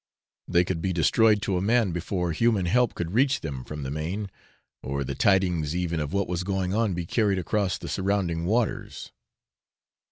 They could be destroyed to a man before human help could reach them from the main, or the tidings even of what was going on be carried across the surrounding waters.